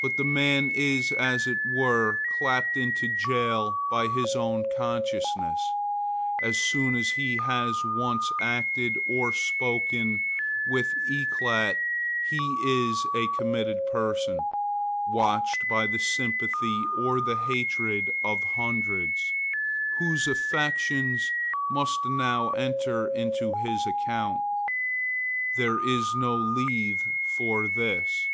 But the man is as it were clapped into jail by his consciousness. As soon as he has once acted or spoken with éclat he is a committed person, watched by the sympathy or the hatred of hundreds, whose affections must now enter into his account. There is no Lethe for this.